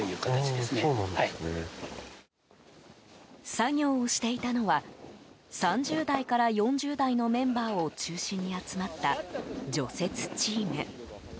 作業をしていたのは３０代から４０代のメンバーを中心に集まった除雪チーム。